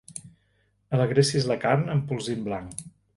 Alegressis la carn amb polsim blanc.